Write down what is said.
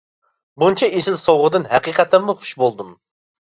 بۇنچە ئېسىل سوغىدىن ھەقىقەتەنمۇ خۇش بولدۇم.